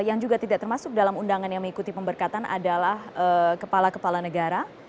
yang juga tidak termasuk dalam undangan yang mengikuti pemberkatan adalah kepala kepala negara